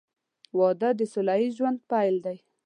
• واده د سوله ییز ژوند پیل دی.